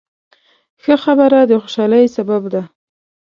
ښه خبره د خوشحالۍ سبب ده.